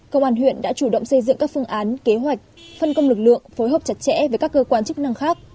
công an huyện đã chủ động xây dựng các phương án kế hoạch phân công lực lượng phối hợp chặt chẽ với các cơ quan chức năng khác